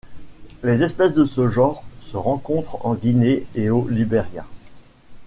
Les espèces de ce genre se rencontrent en Guinée et au Liberia.